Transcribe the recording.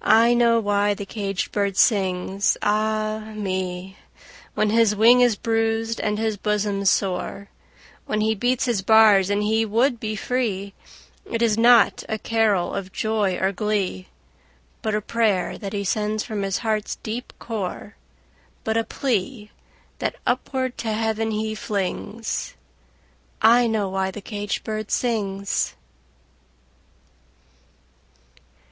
I know why the caged bird sings, ah me, When his wing is bruised and his bosom sore, When he beats his bars and he would be free; It is not a carol of joy or glee, But a prayer that he sends from his heart's deep core, But a plea, that upward to Heaven he flings I know why the caged bird sings!